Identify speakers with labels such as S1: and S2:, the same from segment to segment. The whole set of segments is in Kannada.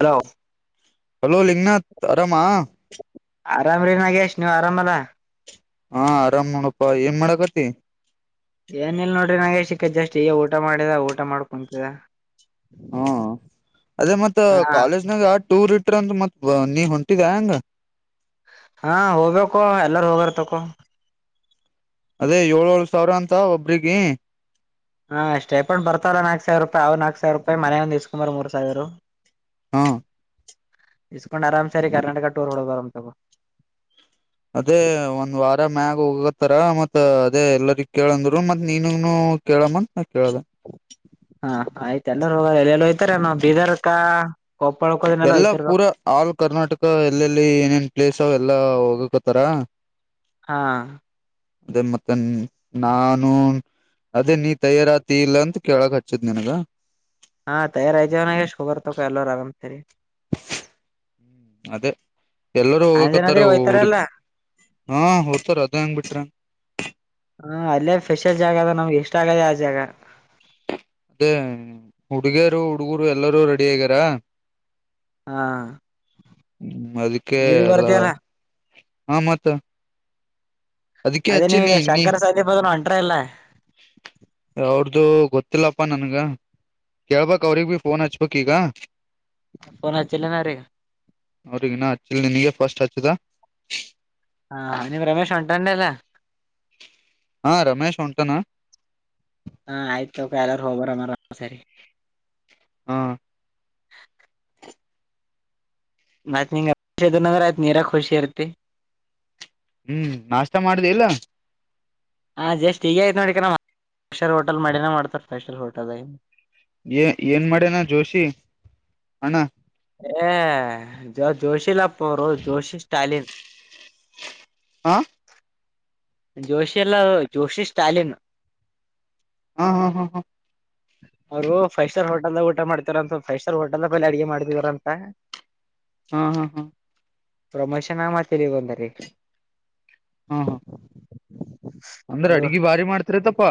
S1: ಹಲೋ
S2: ಹಲೋ ಲಿಂಗನಾಥ್ ಆರಾಮಾ.
S1: ಆರಾಮ್ ರೀ ನಾಗೇಶ್ ನೀವ್ ಆರಾಮಲ್ಲಾ.
S2: ಹಾ ಆರಾಮ್ ನೋಡಪ್ಪಾ ಏನ್ ಮಾಡಕತಿ.
S1: ಏನ ಇಲ್ ನೋಡ್ರಿ ನಾಗೇಶ್ ಈಕ ಜಸ್ಟ್ ಈಗ ಊಟ ಮಾಡಿದ ಊಟ ಮಾಡ್ ಕುಂತಿದ.
S2: ಹೂ ಅದೇ ಮತ್
S1: ಹಾ
S2: ಕಾಲೇಜ್ನಾಗ ಆ ಟೂರ್ ಇಟ್ರ ಅಂತ ಮತ್ ನೀ ಹೊಂಟಿದ ಹೆಂಗ.
S1: ಹಾ ಹೋಗ್ಬೇಕು ಎಲ್ಲಾರ ಹೋಗಾರತಕೋ.
S2: ಅದೇ ಏಳ್ ಏಳ್ ಸಾವ್ರ ಅಂತ ಒಬ್ರಿಗಿ.
S1: ಹಾ ಸ್ಟೈ ಫಂಡ್ ಬರ್ತಲ್ಲ ನಾಕ್ ಸಾವ್ರ ರೂಪಾಯಿ ಅವು ನಾಕ್ ಸಾವಿರೂಪಾಯ ಮನೆಯಂಗ್ ಇಸ್ಕೊಂಡ್ ಬಾರ ಮೂರ್ ಸಾವಿರ.
S2: ಹಾ
S1: ಇಸ್ಕೊಂಡ್ ಆರಾಮ್ ಸಾರಿ ಕರ್ನಾಟಕ ಟೂರ್ ಹೊಡೆದು ಬರೋಣ ತಗೋ.
S2: ಅದೇ ಒಂದ್ ವಾರ ಮ್ಯಾಗ ಹೋಗತ್ತಾರ ಮತ್ ಅದೇ ಎಲ್ಲರಿ ಕೇಳಂದ್ರು ಮತ್ ನೀನ್ಗ್ನು ಕೇಳಮ್ಮನ್ ಆೆವಾದ [unintelligible]
S1: ಹಾ ಆಯ್ತ ಎಲ್ಲೋಗ ಎಲ್ಲ ಎಲ್ಲ ಹಯ್ತಾರೆ ನಾವ್ ಬೀದರ್ಕಾ [unintelligible] ಕೋಪಲ್ಕ್
S2: ಎಲ್ಲಾ ಪೂರಾ ಆಲ್ ಕರ್ನಾಟಕ ಎಲ್ಲೆಲ್ಲಿ ಏನೇನ್ ಪ್ಲೇಸ್ ಆವಾ ಎಲ್ಲಾ ಹೋಗಕತ್ತಾರ
S1: ಹಾ
S2: ಅದೇ ಮತ್ತೆ ನಾನು ಅದೇ ನೀ ತಯಾರಾತಿ ಇಲ್ಲ ಅಂತ ಕೇಳಕ್ ಹಚ್ಚತ್ ನನ್ಗ
S1: ಹಾ ತಯಾರ ಆಐ್ವನಾಗ ಶುಬರ್ ತ ಎಲ್ಲರರು ಆರ್ ಸರಿ [unintelligible]
S2: ಅದೇ ಎಲ್ಲರೂ ಹೋಗಕತ್ತಾರ
S1: ಅಂಜನಾದ್ರಿ
S2: ಹುಡ್ಗಿ
S1: ಹೋಯ್ತಾರಲ್ಲ
S2: ಹಾ ಹೋಡ್ತಾರ ಅದೇ ಹೆಂಗ್ ಬಿಟ್ರ
S1: ಹಾ ಅಲ್ಲೇ ಸ್ಪೆಷಲ್ ಜಾಗ ಅದ ನಮ್ಗೆ ಎಷ್ಟ ಆಗದೆ ಆ ಜಾಗ
S2: ಅದೇ ಹುಡುಗಿಯರು ಹುಡುಗರು ಎಲ್ಲರೂ ರೆಡಿ ಆಗ್ಯಾರ
S1: ಹಾ
S2: ಹ್ಮ ಅದಕ್ಕೆ
S1: ನೀವೀ
S2: ಎಲ್ಲಾ
S1: ಬರ್ತಿಯಲ್ಲ
S2: ಹ ಮತ್ತ ಅದಕ್ಕೆ
S1: ಅದೇ
S2: ಹಚ್ಚಿನಿ
S1: ನಿಮ ಶಂಕರ ಸದಿ ಬದ ಒಂಟ್ರ ಎಲ್ಲಾ
S2: ಯಾವ್ರ್ದು ಗೊತ್ತಿಲ್ಲಪ್ಪಾ ನನ್ಗ ಕೇಳ್ಬಕ್ ಅವ್ರಗ್ ಬಿ ಫೋನ್ ಹಚ್ಬೇಕಕ್ ಈಗ
S1: ಫೋನ್ ಹಚಿಲ್ಲ ನ ರೀ
S2: ಅವ್ರಿಗ್ ಇನ್ನ ಹಚ್ಚಿಲ್ಲ ನಿನಿಗೇ ಫಸ್ಟ್ ಹಚ್ಚದು
S1: ಹಾ ನೀವು ರಮೇಶ್ ಹೊಂಟೆನ್ ಎಲ್ಲ
S2: ಹಾ ರಮೇಶ್ ಹೊಂಟಾನ
S1: ಹಾ ಆಯ್ತು ಬೇರೆವರ್ ಹೋಗಬಾರ ಸಾರಿ
S2: ಹಾ
S1: ಮತ್್ರ ಆಯ್ತ್ ನೀರ ಖುಷಿ ಇರ್ತಿ [unintelligible]
S2: ಹ್ಮ್ ನಾಷ್ಟ ಮಾಡುದೇ ಇಲ್ಲ
S1: ಹಾ ಜಸ್ ಈಗ ಆಯ್ತ ನೋಡಿಕಕ್ಟರ್ ಹೋಟಲ್ ಮಾಡಿನೇ ಮಾಡ್ತಾರ ಫ್ರೆ ಸ್ಟರ್ ಹೋಟಲ್ [unintelligible]
S2: ಏ ಏನ್ ಮಾಡ್ಯನಾ ಜೋಷಿ. ಅಣ್ಣ
S1: ಏ ಜೋ ಜೋಷಿಲ್ಲ ಆಪೋರು ಜೋಶಿ ಸ್ಟಾಲಿನ್
S2: ಹಾ
S1: ಜೋಷಿ ಎಲ್ಲ ಜೋಷಿ ಸ್ಟಾಲಿನ್
S2: ಹಾ.. ಹಾ.. ಹಾ..
S1: ಅವರುಫೈವ ಸ್ಟಾರ್ ಹೋಟಲ್ದ ಊಟ ಮಾಡತಾರ ಅಂತ ಫೈವ ಸ್ಟಾರ್ ಹೋಟೆಲ್ ಅಡುಗೆ ಮಾಡಿದಾರ ಅಂತ
S2: ಹಾ ಹಾ ಹಾ
S1: ಪ್ರಮೋಷನ್ ಮಾಡ್ತೀರಿಗ ಒಂದ ರೀ
S2: ಹಾ ಹಾ ಅಂದ್ರೆ ಅಡ್ಗೆ ಭಾರಿ ಮಾಡ್ತಾರತಪ್ಪಾ.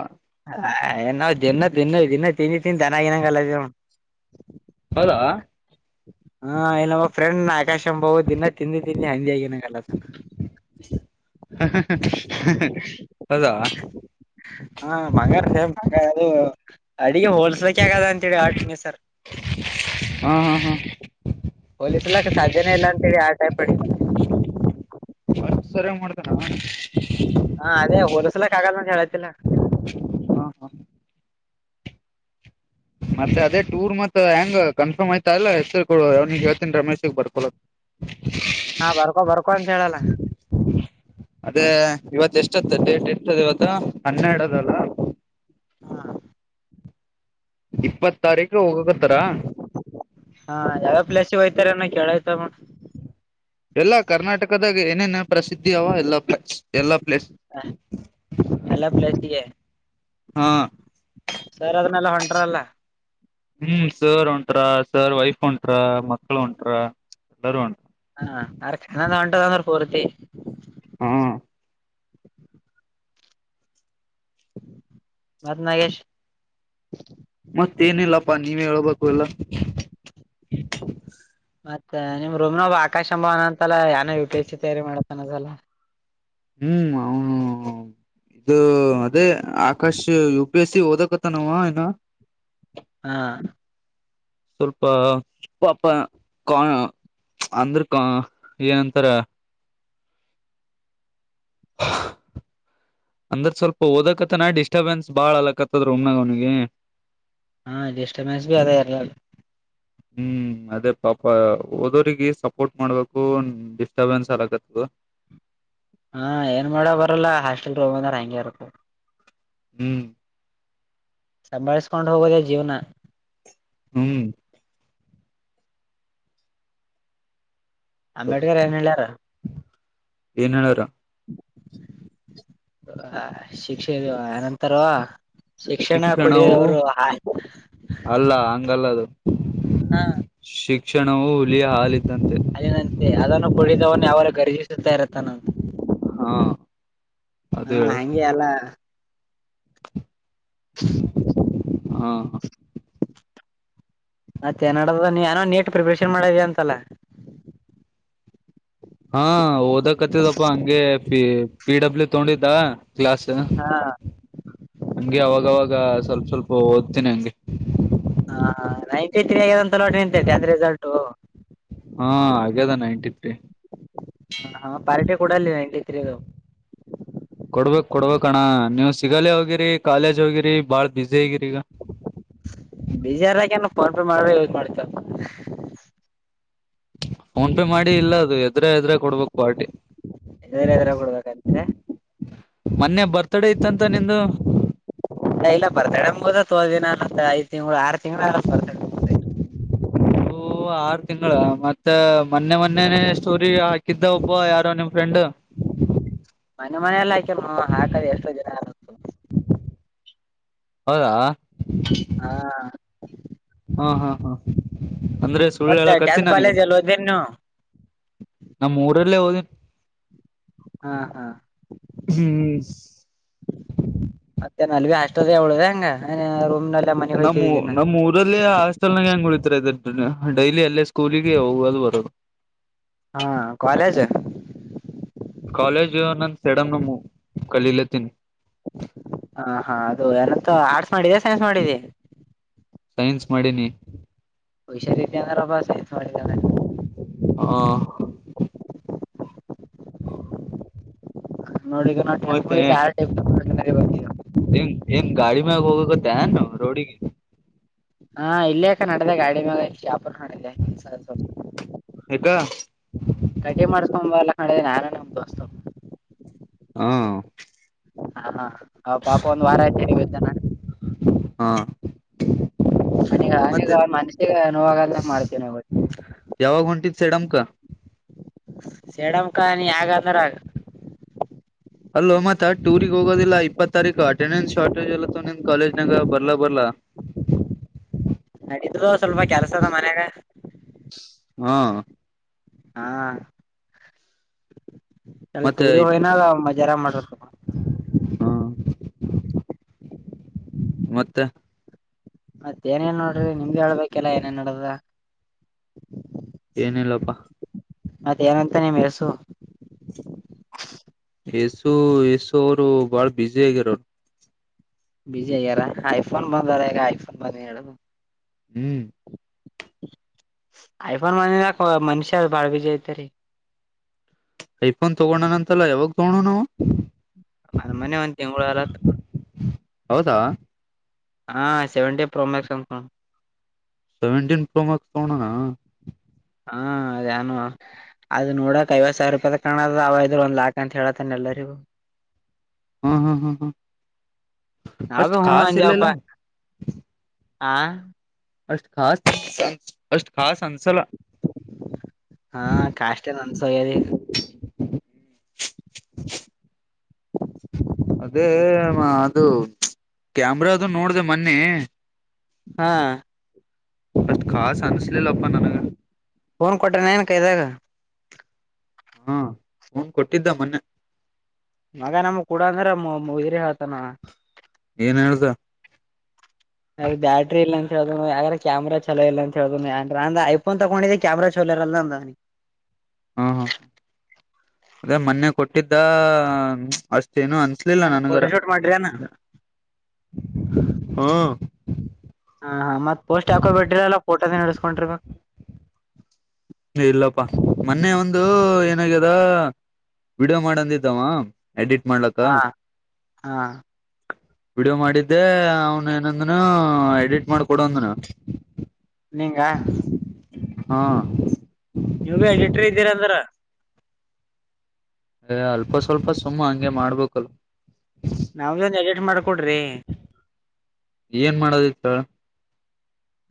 S1: ಹ ಏ ನಾವವು ದಿನ ತಿನ್ನ ದನ್ನ ತಿಿಂದಿ ತಿಿಂದಿ ತನ್ನಾಗಿನಂಗಲ್ಲ [unintelligible]
S2: ಹೌದಾ
S1: ಹಾ ಇ ನಮ್ಮ ಫ್ರೆಂಡ್ ಆಕಾಶ ಅಬಹುದು ದಿನ ತಿಂದು ತಿಂದು ಹಂದಿ ಆಗಿನಾಗಲ್ಲ ಸಾರ್
S2: ಹೌದ
S1: ಹಾ ಬಂಗಾರೇಮ್ಂಗ ಅದು ಅಡಿಗೆ ಹೋಲ್ಸೆಲ್ಕ್ ಹಗದ ಅಂತೇಳಿ ಆಟ್ರ್ [unintelligible]
S2: ಹಾ ಹಾ ಹಾ
S1: ಪೊಲೀಸ್ಲಾಕ್ ಸಾಧ್ಯನೇ ಇಲ್ಲ ಅಂತೇಳಿ ಆ ಟೈಪ್ ರೆಡಿ ಮಾಡಿದ್
S2: ವರ್ಕ್ ಸರಿಯಾಗಿ ಮಾಡ್ತಾನ ಏನೋ [inaudible]
S1: ಹಾ ಅದೇ ಹೋಲಿಸಲಾಗುವುದಿಲ್ಲ ಅಂತ ಹೇಳುತ್ತಿಲ್ಲ
S2: ಹಾ ಹಾ ಮತ್ತೆ ಅದೇ ಟೂರ್ ಮತ್ತ ಹೆಂಗ್ ಕನ್ಫರ್ಮ್ ಆಯ್ತ ಇಲ್ಲ ಹೆಸರ ಕೊಡು ಅವನಿಗೆ ಹೇಳ್ತೇನಿ ರಮೇಶಗ್ ಬರ್ಕೊಳಾಕ್. [unintelligible]
S1: ಹಾ ಬರ್ಕೊ ಬರ್ಕೊ ಅಂತ ಹೇಳಲ.
S2: ಅದೇ ಇವತ್ತೆಷ್ಟ. ಎಷ್ಟಂತ ಡೇಟ್ ಎಷ್ಟದ ಇವತ್ತ ಹನ್ನೆರಡು ಅದಲ್ಲ. ಇಪ್ಪತ್ ತಾರೀಕ ಹೋಗಾಕತ್ತಾರಾ.
S1: ಹಾ ಯಾವ ಪ್ಲಸಿಗೆ ಹೋಯ್ತಿರಿ ಅನ್ನ ಕೇಳಾಯ್ತರ ನೋಡ.
S2: ಎಲ್ಲಾ ಕರ್ನಾಟಕದಾಗ ಏನೇನ ಪ್ರಸಿದ್ಧಿ ಅವ ಎಲ್ಲಾ ಪ್ಲೇಸ್. ಎಲ್ಲಾ ಪ್ಲೇಸ್
S1: ಎಲ್ಲಾ ಪ್ಲೇಸಿಗೆ
S2: ಹ
S1: ಸರ್ ಅದನ್ನಲ್ಲಾ ಹೊಂಟಾರಲ್ಲ.
S2: ಹು ಸರ್ ಹೊಂಟ್ರಾ ಸರ್ ವೈಫ್ ಹೊಂಟ್ರಾ ಮಕ್ಳು ಹೊಂಟ್ರಾ ಎಲ್ಲರೂ ಹೊಂಟ್ರಾ.
S1: ಹಾ ಅರ್ಥ್ ಕನ್ನಡಾ ಹೊಂಟದ ಅಂದ್ರ ಪೂರ್ತಿ.
S2: ಹು
S1: ಮತ್ತ ನಾಗೇಶ.
S2: ಮತ್ತೇ ಏನಿಲ್ಲಪ್ಪಾ ನೀವೇ ಹೇಳ್ಬೇಕು ಎಲ್ಲಾ.
S1: ಮತ್ತ ನಿಮ್ಮ ರೂಮನೋಗ ಆಕಾಶ ಎಂಬವ ಅಂತಲ್ಲ ಯಾನೋ ಯು ಪಿ ಎಚ್ ಸಿ ತಯಾರಿ ಮಾಡತನ ಹೊದಲ.
S2: ಹು ಅವ ಇದು ಅದೇ ಆ Akash U P S C ಓದಕತ್ತಾನ ಅವಾ ಇನ್ನ.
S1: ಹಾ
S2: ಸ್ವಲ್ಪ ಪಾಪಾ ಕೋನ್ ಅಂದ್ರ ಕೊ ಏನಂತಾರ. ಅಂದ್ರ ಸ್ವಲ್ಪ ಓದಕತ್ತಾನ ಡಿಸ್ಟಪೆನ್ಸ್ ಬಾಳ ಅಲಕತ್ತದ ರೋಮನ್ಯಾಗ ಅವನಿಗೆ.
S1: ಹಾಂಡಿಸ್ಟರ್ಬೆನ್ಸ್ಗೆ ಅದೆ ಇರ್ಲಿ ಆಳ.
S2: ಹು ಅದೇ ಪಾಪ ಓದುರಿಗೆ ಸಪೋರ್ಟ್ ಮಾಡ್ಬೇಕು ಡಿಸ್ಟರ್ಬೆನ್ಸ್ ಆಗಕತ್ತದ.
S1: ಹಾ ಏನ್ ಮಾಡೋಬರಲ್ಲಾ ಹಾಸ್ಟೆಲ್ ರೋಮ್ ಅಂದ್ರ ಹಂಗೆ ಇರುತ್ತದ.
S2: ಹು
S1: ಸಂಭಾಳಸ್ಕೊಂಡ್ ಹೋಗೋದೇ ಜೀವನಾ.
S2: ಹು
S1: ಅಂಬೇಡ್ಕರ್ ಏನ ಹೇಳ್ಯಾರ.
S2: ಏನು ಹೇಳ್ಯಾರ.
S1: ಅ ಶಿಕ್ಷೆಗೆ ಏನಂತಾರೋ. ಶಿಕ್ಷಣ ಕೊಡಿಯವರು ಹಾಯ್
S2: ಅಲ್ಲಾ ಹಂಗಲ್ಲದು
S1: ಹ
S2: ಶಿಕ್ಷಣವು ಹುಲಿಯ ಹಾಲಿದ್ದಂತೆ.
S1: ಏನಂತೆ ಅದನ್ನು ಕುಡಿದವನೆ ಯಾವರ ಗರ್ಜಿಸುತ್ತಾ ಇರತ್ತಾನಂತ.
S2: ಹು
S1: ಹು ಹಂಗೆ ಅಲ್ಲಾ.
S2: ಹಾ
S1: ಮತ್ತೆ ಏನ್ ನಡದದ ಏನೋ ನೀಟ್ ಪ್ರಿಪರೇಷನ್ ಮಾಡಿದಿ ಅಂತಲ್ಲ.
S2: ಹಾ ಓದಕತ್ತಿದಪ್ಪಾ ಹಂಗೆ ಪಿ ಪಿ ಡಬ್ಲ್ಯೂ ತಗೊಂಡಿದ್ದಾ ಕ್ಲಾಸ.
S1: ಹ
S2: ಹಂಗೆ ಅವಾಗ ಅವಾಗ ಸ್ವಲ್ಪ ಸ್ವಲ್ಪ ಓದ್ತೇನಿ ಹಂಗೆ.
S1: ಹ ಹ ನೈಂಟಿ ತ್ರಿ ಆಗಿದೆ ಅಂತಲ್ಲೋ ನಿಂದ ಟೆಂತ್ ರಿಸಲ್ಟು.
S2: ಹು ಆಗೇದ ನೈನ್ಟಿ ತ್ರಿ.
S1: ಹ ಹ ಪಾರ್ಟಿ ಕೂಡಲ್ಲೆ ನೈಟಿ ತ್ರೀ ಅದು.
S2: ಕೊಡ್ಬೇಕ್ ಕೊಡ್ಬಕ್ ಅಣ್ಣ ನೀವು ಸಿಗಾಲೇ ಹೋಗಿರಿ ಕಾಲೇಜ್ ಹೋಗಿರಿ ಬಾಳ್ ಬಿಸಿ ಆಗಿರಿ ಈಗ.
S1: ಬೀಜಾರಾಗ ಏನು ಫೋನ್ ಪೇ ಮಾಡ್ರೆ ಯೂಸ್ ಮಾಡ್ತಿ ಪಾ.
S2: ಫೋನ್ ಪೇ ಮಾಡಿ ಇಲ್ಲ ಅದು ಹೆದ್ರೆ ಎದ್ರೆ ಕೊಡ್ಬೇಕು ಪಾರ್ಟಿ.
S1: ಇದ್ರ ಎದ್ರ ಕೊಡ್ಬೇಕಂತೀರ
S2: ಮೊನ್ನೆ ಬರ್ತಡೆ ಇತ್ತಂತ ನಿಂದು.
S1: ಇಲ್ಲ ಬರ್ತ ಡೇ ಮುಗಿದ ತೋ ದಿನ ಆಗೈತಿ ಐದೂ ತಿಂಗಳು ಆರು ತಿಂಗಳು ಎಲ್ಲ ಬರ್ತ ಡೇ
S2: ಓ ಆರು ತಿಂಗಳ ಮತ್ತ ಮತ್ತ ಮೊನ್ನೆ ಮೊನ್ನೇನೆ ಸ್ಟೋರಿ ಹಾಕಿದ್ದ ಒಬ್ಬ ಯಾರೋ ನಿಮ್ ಫ್ರೆಂಡ್.
S1: ಮೊನ್ನೆ ಮೊನ್ನೆ ಎಲ್ಲಿ ಹಾಕ್ಯಾನೋ ಹಾಕದೇ ಎಷ್ಟೋ ದಿನ ಆಯ್ತು.
S2: ಹೌದಾ
S1: ಹಾ
S2: ಹಾ ಹಾ ಹಾ ಅಂದ್ರೆ ಸುಳ್ಳು
S1: ಮತ್ತೆ
S2: ಹೇಳಕಚ್ಚಿ
S1: ಟೆಂತ್
S2: ನನಗ.
S1: ಕಾಲೇಜ್ ಅಲ್ಲಿ ಓದಿನ್
S2: ನಮ್ ಊರಲ್ಲೇ
S1: ನೀವು
S2: ಹೋದಿನಿ
S1: ಹಾ ಹಾ
S2: ಹ್ಮ್ ಹ್ಹ್.
S1: ಮತ್ತೆ ಅಲ್ಲೇ ಹಾಸ್ಟೆಲದ ಹುಡುಗ ಹೆಂಗ ರೂಮ
S2: ನಮ್ಮ್ ನಮ್ಮೂರಲ್ಲೇ ಹ- ಹಾಸ್ಟೆಲ ಹೆಂಗ ಉಳಿತರ ಡೈಲಿ ಅಲ್ಲೇ ಸ್ಕೂಲ್ ಗೆ ಹೋಗೋದು ಬರೋದು.
S1: ಹಾ ಕಾಲೇಜ್
S2: ಕಾಲೇಜು ನಂದ ಸೆಡಮ್ ನಮ್ಮವು ಕಲೀಲತನಿ.
S1: ಹಾ ಹಾ ಅದು ಎಲ್ಲತ್ತ ಆರ್ಟ್ಸ್ ಮಾಡಿದೆ ಸೈನ್ಸ್ ಮಾಡಿದೆ.
S2: ಸೈನ್ಸ್ ಮಾಡಿನಿ.
S1: ಹುಷಾರು ಇದ್ದಿ ಅಂದ್ರಪ್ಪ ಸೈನ್ಸ್ ಮಾಡಿದಿ ಅಂದ್ರ.
S2: ಹಾ [inaudible]
S1: ನೋಡಿ ಈಗ ನಾವು
S2: ಮತ್ತೆ
S1: [unintelligible]
S2: ಏನ್ ಏನ್ ಗಾಡಿ ಮ್ಯಾಗ ಹೋಗಕತ್ತೇನ ರೋಡಿಗಿ.
S1: ಹಾ ಇಲ್ಲಿ ಯಾಕ ನಡೆದೆ ಗಾಡಿ ಮ್ಯಾಲ ಶಪುರಕ ನಡಿದೆ [unintelligible]
S2: [unintelligible]
S1: ಕಟಿಂಗ್ ಮಾಡಸ್ಕೊಂಬ ಎಲ್ಲ ಕಣೆ ನಾನು ನಮ್ ದೋಸ್ತು.
S2: ಹಾ
S1: ಹಾ ಹಾ ಪಾಪ ಒಂದ ವಾರ ಅಯ್ತೀನ್ ಇದ್ದಾನ.
S2: ಹಾ
S1: ಅವನೀಗ
S2: ಮತ್ತೆ
S1: ಅವನೀಗ ಮನ್ಸಿಗೆ ನೋವಾಂಗಂಗಾ ಮಾಡ್ತೇ ನೋಡು.
S2: ಯಾವಾಗ ಹೊಂಟಿದೀ ಸೇಡಮ್ಕ.
S1: ಸೇಡಂಕ ನೀ ಯಾಗ ಅಂದಿ ಅಗ.
S2: ಅಲೋ ಮತ್ತ ಟೂರ್ಗ್ ಹೋಗೋದಿಲ್ಲ ಇಪ್ಪತ್ ತಾರೀಕು ಅಟೆಂಡೆನ್ಸ್ ಶಾರ್ಟೇಜ್ ಎಲ್ಲತ್ತ ನಿನ್ ಕಾಲೇಜ್ನಾಗ ಬರ್ಲಕ ಬರ್ಲಾ.
S1: ನಡೀತಾದೋ ಸ್ವಲ್ಪ ಕೆಲ್ಸ ಆದ ಮನ್ಯಾಗ.
S2: ಹಾ
S1: ಹಾ ಏಲ್ಲ ಟೂರಿ ಹೋಗಿನ ಮಜಾರ ಮಾಡಬೇಕಪ್ಪ.
S2: ಹಾ ಮತ್ತೆ
S1: ಮತ್ತ ಏನೇ ಇಲ್ಲ ನೋಡ್ರಿ ನಿಮ್ದು ಹೇಳ್ಬೇಕಲ್ಲ ಏನೇನ್ ನಡೆದಾದ.
S2: ಏನಿಲ್ಲಪ್ಪಾ.
S1: ಮತ್ತೆ ಏನಂತ ನಿಮ ಎಸು.
S2: ಯೇಸು ಯೇಸು ಅವ್ರು ಬಾಳ್ ಬ್ಯುಸಿ ಆಗ್ಯಾರ ಅವ್ರು.
S1: ಬ್ಯುಸಿ ಆಗ್ಯಾರ ಐಫೋನ್ ಬಂದರ್ ಐಫೋನ್ ಬಂದಗಿಂದ.
S2: ಹ್ಮ್
S1: [unintelligible] ಐಫೋನ್ ಬಂದಿದ ಮನುಷ್ಯ ಬಾಳ ಬ್ಯುಸಿ ಆಯ್ತು ರೀ.
S2: ಐಫೋನ್ ತಗೊಂಡಾನ ಅಂತಲ್ಲ ಯಾವಾಗ ತಗೊಂಡಾನ ಅವಾ.
S1: ಮನ ಮನ್ನೆ ಒಂದ ತಿಂಗಳು ಅಲತ್.
S2: ಹೌದಾ
S1: ಹಾ ಸೆವೆಂಟಿ ಪ್ರೋಮ್ಯಾಕ್ಸ್ ಅಂತ ನೋಡ.
S2: ಸೆವೆಂಟೀನ್ ಪ್ರೋಮ್ಯಾಕ್ಸ್ ತೊಗೊಂಡಾನಾ.
S1: ಹಾ ಯಾನೋ. ಅದು ನೋಡಕ್ ಐವತ್ ಸಾವಿರ ರೂಪಾಯದ ಕಾಣವಲ್ಲದು ಅವ ಇದ್ರ ಒಂದ ಲಾಕ್ ಅಂತ ಹೇಳತ್ತಾನ ಎಲ್ಲರಿಗೂ.
S2: ಹು ಹು ಹು ಹು
S1: ನಾವೇ
S2: ಅಷ್ಟು
S1: ಹೂ
S2: ಕಾಸ
S1: ಅಂದೇವಪ್ಪಾ
S2: ಇಲ್ಲಿಲ್ಲಾ.
S1: ಆ
S2: ಅಷ್ಟು ಖಾಸ ಅಷ್ಟು ಖಾಸ್ ಅನ್ಸಲಾ.
S1: ಹ ಕಾಷ್ಟೇ ನನ್ಸ್ಯರಿ ಇಲ್ಲಾ.
S2: ಟಕ್ ಅದೇ ಮಾ ಅದು ಪ್ಚ್. ಕ್ಯಾಮ್ರಾದು ನೋಡ್ದೆ ಮೊನ್ನೆ.
S1: ಹಾ
S2: ಅಷ್ಟ ಖಾಸ ಅನಿಸಲಿಲ್ಲಪ್ಪಾ ನನಗ.
S1: ಫೋನ್ ಕೊಟ್ಟಾನೇನ ಕೈದಾಗ.
S2: ಹು ಫೋನ್ ಕೊಟ್ಟಿದ್ದಾ ಮೊನ್ನೆ.
S1: ಮಗ ನಮ ಕೂಡ ಅಂದ್ರ ಮೊ ಮೊದ್ರೆ ಹಾತಾನವಾ.
S2: ಏನ ಹೇಳಿದಾ.
S1: ಅದು ಬ್ಯಾಟ್ರಿ ಇಲ್ಲನ. ಕೇಳು ಆಗಲ್ಲೆ ಕ್ಯಾಮ್ರಾ ಚಲೋ ಇಲ್ಲ ಅಂತ ಹೇಳದಂದಾ ಐಫೋನ್ ತಗೊಂಡಿದ್ದ ಕ್ಯಾಮ್ರ ಚೊಲೋ ಇರಲ್ಲ ಅಂದ.
S2: ಹಾ ಹಾ ಅದೇ ಮೊನ್ನೆ ಕೊಟ್ಟಿದ್ದ ಅಷ್ಟೇನು ಅನ್ಸ್ ಸ್ಲಿಲ್ಲ
S1: ನಾನ್ ಫೋಟೋ
S2: ನನಗರ
S1: ಶೂಟ್ ಮಾಡ್ರಿನ
S2: ಹು.
S1: ಹ ಹ ಮತ್ತ ಪೋಸ್ಟ್ ಹಾಕೋಂಬಿಟ್ಟಿರಲ್ಲ ಫೋಟೋನೆ ಇಳಿಸಿಕೊಂಡ್ರಿ ಮ್ಯಾಮ್.
S2: ಇಲ್ಲಪ್ಪಾ ಮೊನ್ನೆ ಒಂದು ಏನಾಗ್ಯದ ವಿಡಿಯೋ ಮಾಡಂದಿದ್ದವಾ. ಎಡಿಟ್ ಮಾಡ್ಲಾಕ.
S1: ಹಾ ಹಾ
S2: ವಿಡಿಯೋ ಮಾಡಿದ್ದೆ ಅವನ ಏನಂದನ ಎಡಿಟ್ ಮಾಡಕೊಡ ಅಂದಾನ.
S1: ನೀಂಗಾ.
S2: ಹು
S1: ಇವ್ವೆ ಲಿಟರ್ ಇದ್ದೀರಿ ಅಂದ್ರ.
S2: ಎ ಅಲ್ಪ ಸ್ವಲ್ಪ ಸುಮ್ಮ ಹಂಗೆ ಮಾಡ್ಬೇಕಲ್.
S1: ನಮ್ಮದೊಂದ ಎಡಿಟ್ ಮಾಡಕೊಡ್ರಿ.
S2: ಏನ್ ಮಾಡದಿತ್ತ ಹೇಳ.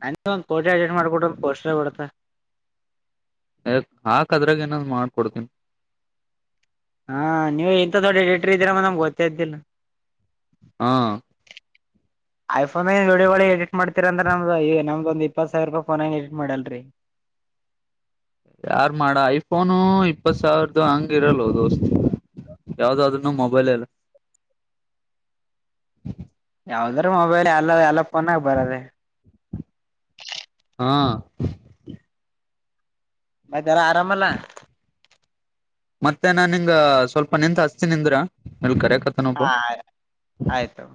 S1: ನಂದು ಒಂದ ಫೋಟೋ ಎಡಿಟ್ ಮಾಡಿ ಕೊಡಲ್ ಪೋಸ್ಟ್ರಬಿಡತ್ತನ.
S2: ಯಾಕ ಹಾಕ ಅದ್ರಾಗ ಏನ ಮಾಡಕೊಡ್ತೀನಿ.
S1: ಹಾ ನೀವು ಇಂಥ ದೊಡ್ಡ ಎಡಿಟರ್ ಇದೀರ ನಂಗ ಗೊತ್ತೆ ಇದ್ದಿಲ್ಲ.
S2: ಹ
S1: ಐಫೋನ್ ವಿಡಿಯೋಗಳ ಎಡಿಟ್ ಮಾಡತೀರ್ ಅಂದ್ರ ನಮ್ಮದ ಈ ನಮ್ದ ಒಂದ ಇಪ್ಪತ್ ಸಾವಿ ರೂಪಾಯ ಫೋನ್ ನ್ಯಾಗ್ ಎಡಿಟ್ ಮಾಡಿಲ್ರಿ.
S2: ಯಾರ್ ಮಾಡ ಐಫೋನು ಇಪ್ಪತ್ ಸಾವಿರದು ಹಂಗ ಇರಲೋ ದೋಸ್ತ. ಯಾವ್ದಾದ್ರನು ಮೊಬೈಲ್ ಲಲ್ಲೆ.
S1: ಯಾವದರ ಮೊಬೈಲ್ ಎಲ್ಲಾ ಎಲ್ಲಾ ಫೋನ್ಗ ಬರೋದರಿ.
S2: ಹು
S1: ಮತ್ತೆಲ್ಲಾ ಆರಾಮಲ್ಲ.
S2: ಮತ್ತೆ ನಾನ್ ನಿಂಗ ಸ್ವಲ್ಪ ನಿಂತ್ ಹಚ್ಚುತ್ತೇನೆ ನಿಂದ್ರ ಅಲ್ಲಿ ಕರೆಕತ್
S1: ಹಾ ಆಯ್ತು.